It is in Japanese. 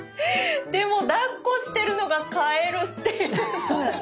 でもだっこしてるのがカエルっていう。